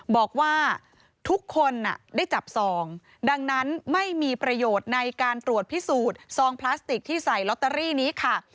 บอกว่าทุกคนได้จับซองดังนั้นไม่มีประโยชน์ในการตรวจพิสูจน์ซองพลาสติกที่ใส่ลอตเตอรี่นี้ค่ะ